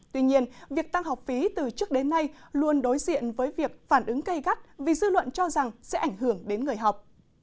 tuy nhiên việc tăng học phí từ trước đến nay luôn đối diện với việc phản ứng gây gắt vì dư luận cho rằng sẽ ảnh hưởng đến người học